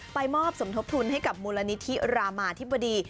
มอบสมทบทุนให้กับมูลนิธิรามาธิบดี